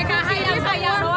enggak adil pak jokowi